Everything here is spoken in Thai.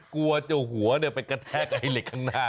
กลัวเจ้าหัวไปกระแทกไอ้เหล็กข้างหน้า